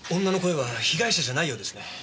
女の声は被害者じゃないようですね。